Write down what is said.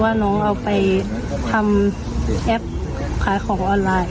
ว่าน้องเอาไปทำแอปขายของออนไลน์